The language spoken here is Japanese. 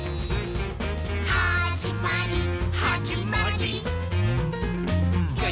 「はじまりはじまりー！」